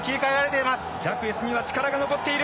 ジャクエスには力が残っている。